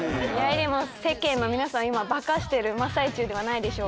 でも世間の皆さんを今化かしてる真っ最中ではないでしょうか？